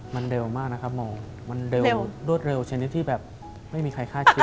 มันเร็วมากนะครับมันเร็วรวดเร็วแบบชีวิตที่ไม่มีใครคาดคิดนะ